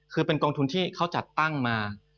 คือเป็นกองทุนที่เขาจัดตั้งมา